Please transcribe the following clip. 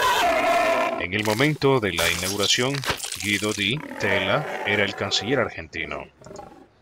En el momento de la inauguración Guido Di Tella era el canciller argentino.